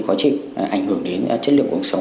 có trị ảnh hưởng đến chất liệu cuộc sống